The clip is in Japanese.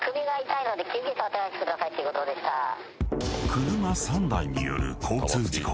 ［車３台による交通事故］